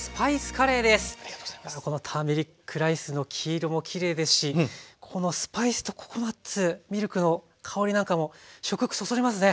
このターメリックライスの黄色もきれいですしこのスパイスとココナツミルクの香りなんかも食欲そそりますね。